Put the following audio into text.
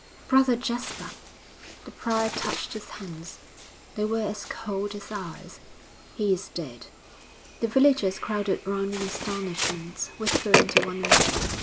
'Brother Jasper!' The prior touched his hands; they were as cold as ice. 'He is dead!' The villagers crowded round in astonishment, whispering to one another.